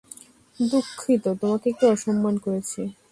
দুঃখিত, তোমাকে একটু অসম্মান করেছি।